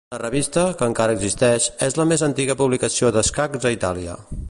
La revista, que encara existeix, és la més antiga publicació d’escacs a Itàlia.